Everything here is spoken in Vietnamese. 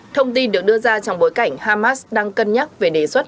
thông tin được đưa ra trong bối cảnh hamas đang cân nhắc về đề xuất